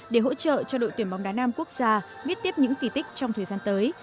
để hỗ trợ cho đội tuyển bóng đá nam quốc gia biết tiếp những kỳ tích trong thời gian tới